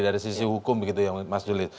dari sisi hukum begitu ya mas juli